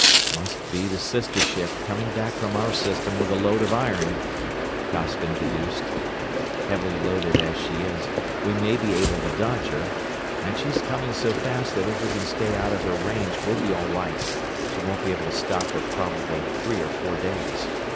"Must be the sister ship, coming back from our System with a load of iron," Costigan deduced. "Heavily loaded as she is, we may be able to dodge her; and she's coming so fast that if we can stay out of her range we'll be all right she won't be able to stop for probably three or four days.